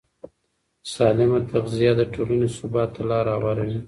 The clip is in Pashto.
سالمه تغذیه د ټولنې ثبات ته لاره هواروي.